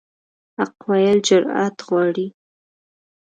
حق ویل جرأت غواړي.